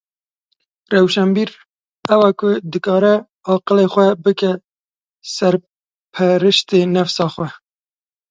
Rewşenbîr ew e ku dikare aqilê xwe bike serpereştê nefsa xwe.